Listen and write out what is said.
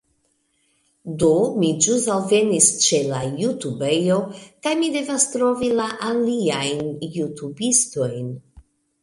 Do, mi ĵus alvenis ĉe la jutubejo kaj mi devas trovi la aliajn jutubistojn